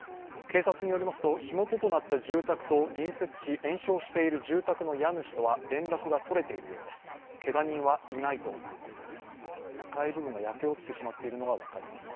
警察によりますと、火元となった住宅と隣接し、延焼している住宅の家主とは連絡がとれているようです。